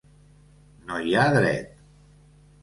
No hi ha dret.